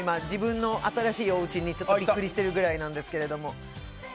自分の新しいおうちにびっくりしてるくらいなんですけども。